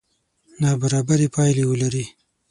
نابرابرې پایلې ولري.